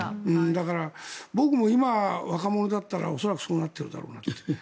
だから、僕も今若者だったら恐らくそうなってるだろうなと。